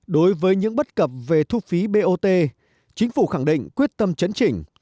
đối với những bất cập về thu phí bot chính phủ khẳng định quyết tâm chấn chỉnh